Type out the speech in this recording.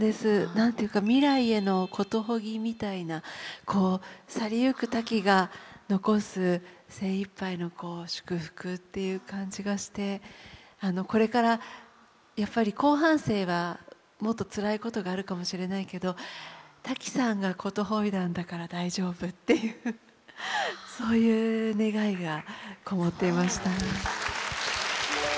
何て言うか未来への言祝ぎみたいなこう去りゆくタキが残す精いっぱいの祝福という感じがしてこれからやっぱり後半生はもっとつらいことがあるかもしれないけどタキさんが言祝いだんだから大丈夫っていうそういう願いが籠もっていました。